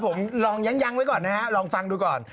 ผมลองยั้งไว้ก่อนนะฮะลองฟังดูก่อน